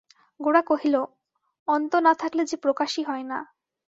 গোরা কহিল, অন্ত না থাকলে যে প্রকাশই হয় না।